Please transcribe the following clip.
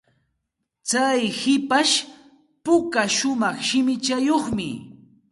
Tsay hipashpuka shumaq shimichayuqmi.